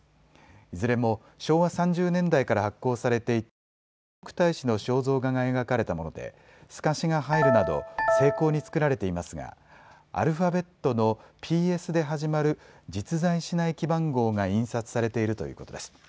いずれも昭和３０年代から発行されていた聖徳太子の肖像画が描かれたもので透かしが入るなど精巧に作られていますがアルファベットのＰＳで始まる実在しない記番号が印刷されているということです。